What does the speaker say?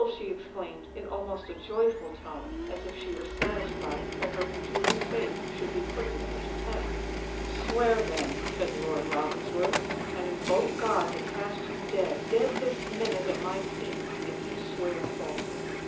she exclaimed, in almost a joyful tone, as if she were satisfied that her conjugal faith should be put to such a test. "Swear, then," said Lord Ravensworth; "and invoke God to cast you dead—dead this minute at my feet—if you swear falsely."